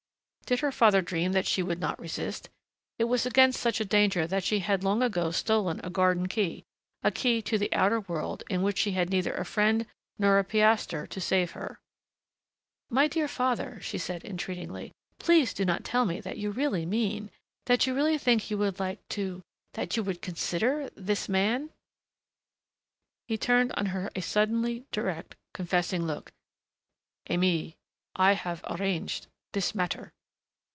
Did her father dream that she would not resist? It was against such a danger that she had long ago stolen a garden key, a key to the outer world in which she had neither a friend nor a piaster to save her.... "My dear father," she said entreatingly, "please do not tell me that you really mean that you really think you would like to that you would consider this man " He turned on her a suddenly direct, confessing look. "Aimée, I have arranged this matter."